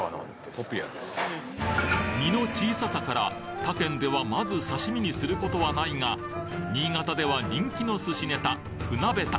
身の小ささから他県ではまず刺身にすることはないが新潟では人気の寿司ネタふなべた。